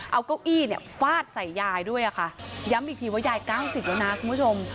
เอาเก้าอี้เนี่ยฟาดใส่ยายด้วยค่ะย้ำอีกทีว่ายาย๙๐แล้วนะคุณผู้ชม